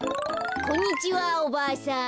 こんにちはおばあさん。